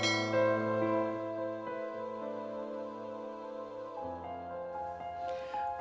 aku mau pulang